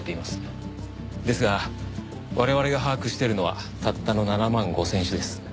ですが我々が把握しているのはたったの７万５０００種です。